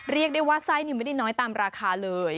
เรียกได้ว่าไส้ไม่ได้น้อยตามราคาเลย